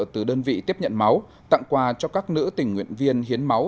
từ đơn vị tiếp nhận máu tặng quà cho các nữ tình nguyện viên hiến máu